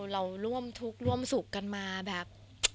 เราร่วมทุกข์ร่วมสุขกันมาแบบ